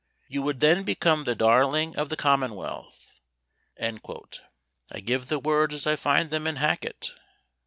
"You would then become the darling of the commonwealth;" I give the words as I find them in Hacket.